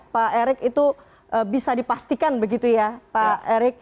pak erik itu bisa dipastikan begitu ya pak erik